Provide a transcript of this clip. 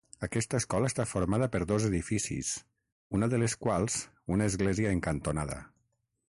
Aquesta escola està formada per dos edificis, una de les quals una església en cantonada.